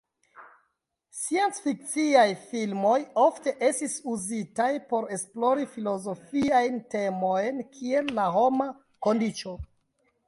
Sciencfikciaj filmoj ofte estis uzitaj por esplori filozofiajn temojn kiel la homa kondiĉo.